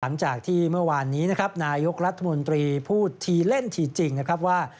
หลังจากที่เมื่อวานนี้นะครับนายกรัฐมนตรีพูดทีเล่นทีจริงนะครับว่า